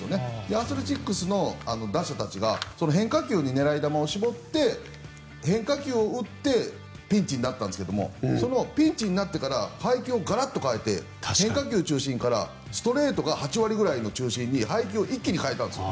アスレチックスの打者たちが変化球に狙い球を絞って変化球を打ってピンチになったんですがそのピンチになってから配球をガラッと変えて変化球中心からストレート８割ぐらいの中心に配球を一気に変えたんです。